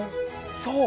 そう！